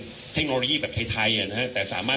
คุณผู้ชมไปฟังผู้ว่ารัฐกาลจังหวัดเชียงรายแถลงตอนนี้ค่ะ